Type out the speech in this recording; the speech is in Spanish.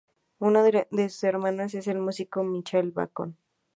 Uno de sus hermanos es el músico Michael Bacon.